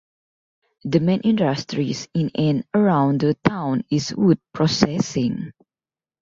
The main industries in and around the town is wood processing.